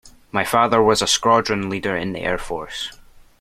My father was a Squadron Leader in the Air Force